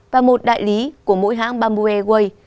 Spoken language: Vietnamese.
và một đại lý của mỗi hãng bamboo airways